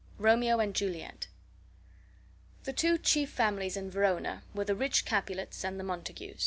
ROMEO AND JULIET The two chief families in Verona were the rich Capulets and the Montagues.